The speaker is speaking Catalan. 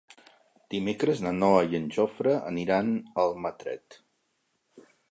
Dimecres na Noa i en Jofre aniran a Almatret.